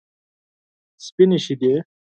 سپینې شیدې.